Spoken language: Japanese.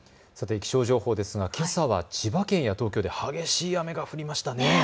気象情報ですがけさは千葉県や東京で激しい雨が降りましたね。